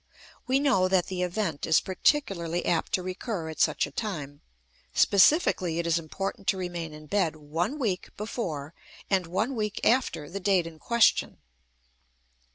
We know that the event is particularly apt to recur at such a time. Specifically, it is important to remain in bed one week before and one week after the date in question.